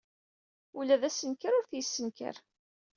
Ula d assenker ur t-yessenker.